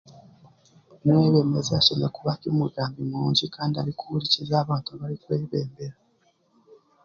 Omwebembezi ashemereire kuba ari omugambi murungi kandi arikuhurikiriza abantu abarikwebembera